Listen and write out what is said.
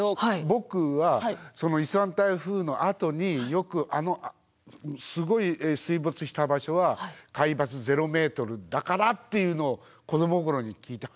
僕はその伊勢湾台風のあとによくすごい水没した場所は海抜ゼロメートルだからっていうのを子どもの頃に聞いて。